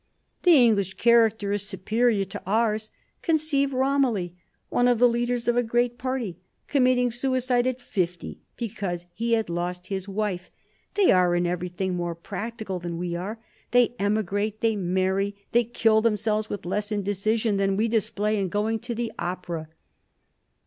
"The English character is superior to ours. Conceive Romilly, one of the leaders of a great party, committing suicide at fifty because he had lost his wife. They are in everything more practical than we are; they emigrate, they marry, they kill themselves with less indecision than we display in going to the opera."